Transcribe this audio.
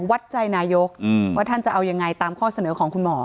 วัดใจนายกว่าท่านจะเอายังไงตามข้อเสนอของคุณหมอ